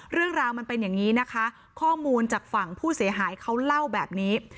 เรื่องราวมันเป็นอย่างนี้นะคะข้อมูลจากฝั่งผู้เสียหายเขาเล่าแบบนี้